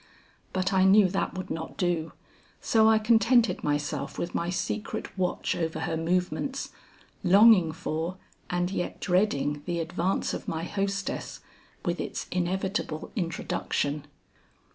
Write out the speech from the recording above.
But I knew that would not do, so I contented myself with my secret watch over her movements, longing for and yet dreading the advance of my hostess, with its inevitable introduction.